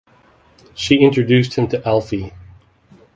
She introduced him to Alfie.